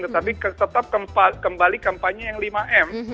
tetapi tetap kembali kampanye yang lima m